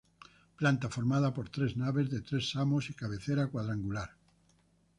Planta formada por tres naves de tres samos y cabecera cuadrangular.